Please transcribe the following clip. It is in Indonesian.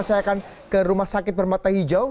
saya akan ke rumah sakit permata hijau